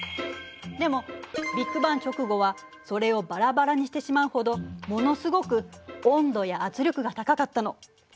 でもビッグバン直後はそれをバラバラにしてしまうほどものすごく温度や圧力が高かったの。